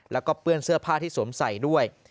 แล้วก็เปื้อนเสื้อผ้าที่สวมใส่ด้วย